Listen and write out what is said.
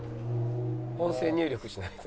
音声入力しないと。